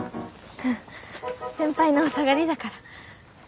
先輩のお下がりだから。